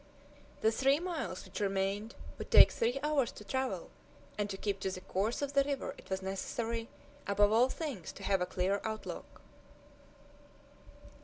The three miles which remained would take three hours to travel, and to keep to the course of the river it was necessary, above all things, to have a clear outlook.